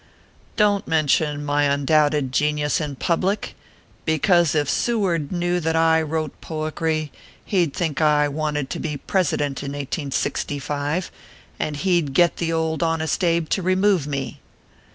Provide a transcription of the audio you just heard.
147 " Don t mention my undoubted genius in public ; because if Seward knew that I wrote poickry, he d think I wanted to be President in 1865, and he d get the Honest Old Abe to remove me.